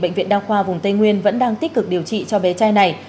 bệnh viện đa khoa vùng tây nguyên vẫn đang tích cực điều trị cho bé trai này